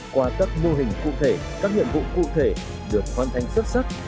qua các mô hình cụ thể các nhiệm vụ cụ thể được hoàn thành xuất sắc